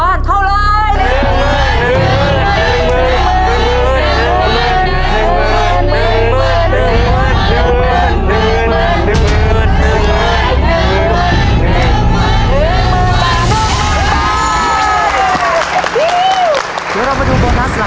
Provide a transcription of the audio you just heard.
ารับแล้วจะตกดังมาครับ